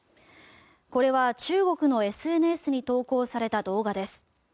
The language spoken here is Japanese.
これは中国のＳＮＳに投稿された動画です。